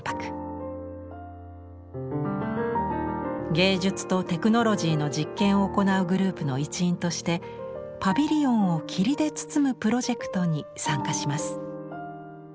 芸術とテクノロジーの実験を行うグループの一員としてパビリオンを霧で包むプロジェクトに参加します。